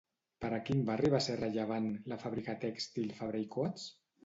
Per a quin barri va ser rellevant, la fàbrica tèxtil Fabra i Coats?